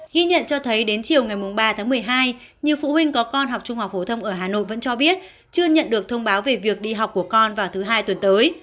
ghi nhận cho thấy đến chiều ngày ba tháng một mươi hai nhiều phụ huynh có con học trung học phổ thông ở hà nội vẫn cho biết chưa nhận được thông báo về việc đi học của con vào thứ hai tuần tới